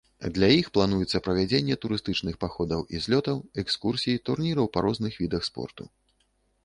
Для іх плануецца правядзенне турыстычных паходаў і злётаў, экскурсій, турніраў па розных відах спорту.